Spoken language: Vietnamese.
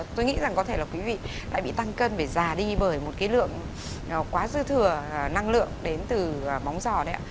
tôi nghĩ rằng có thể là quý vị lại bị tăng cân phải già đi bởi một cái lượng quá dư thừa năng lượng đến từ bóng giò đấy ạ